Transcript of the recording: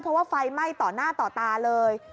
เพราะว่าไฟไหม้ต่อหน้าต่อตาเลย